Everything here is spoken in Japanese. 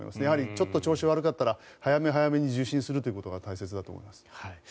やはりちょっと調子が悪かったら早め早めに受診することが大切だと思います。